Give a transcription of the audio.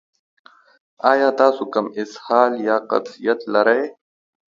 ایا تاسو کوم اسهال یا قبضیت لرئ؟